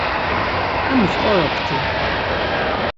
Emus qoropti?